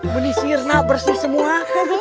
menisir nah bersih semua